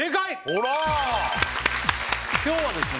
ほら今日はですね